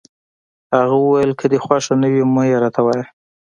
هغه وویل: که دي خوښه نه وي، مه يې راته وایه.